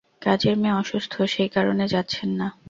কাজের মেয়ে অসুস্থ, সেই কারণে যাচ্ছেন না?